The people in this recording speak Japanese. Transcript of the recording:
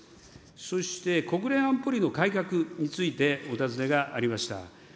そして、国連安保理の改革について、お尋ねがありました。